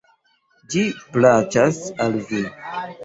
Ĝi plaĉas al vi!